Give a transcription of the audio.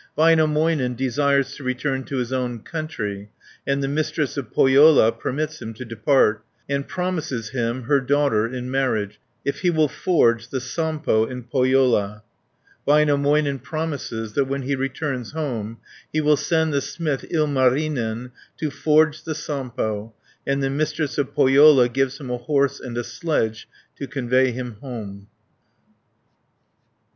Väinämöinen desires to return to his own country, and the Mistress of Pohjola permits him to depart, and promises him her daughter in marriage if he will forge the Sampo in Pohjola (275 322). Väinämöinen promises that when he returns home he will send the smith Ilmarinen to forge the Sampo, and the Mistress of Pohjola gives him a horse and a sledge to convey him home (323 368).